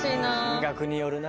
金額によるな。